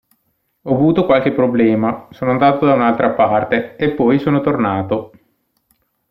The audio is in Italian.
Ho avuto qualche problema, sono andato da un'altra parte, e poi sono tornato.